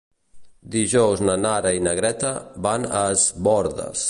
Dijous na Nara i na Greta van a Es Bòrdes.